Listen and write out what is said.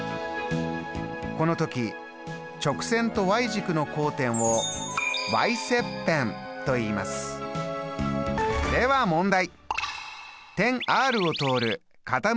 この時直線と軸の交点を切片といいでは問題。